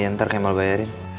ntar kemal bayarin